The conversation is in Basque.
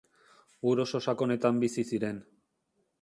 Ur oso sakonetan bizi ziren.